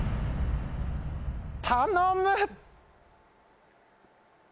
頼む！